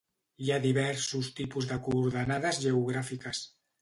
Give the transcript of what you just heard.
Hi ha diversos tipus de coordenades geogràfiques.